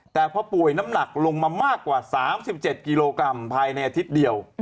แต่พอป่วยน้ำหนักลงมามากกว่า๓๗กิโลกรัมภายในอาทิตย์เดียว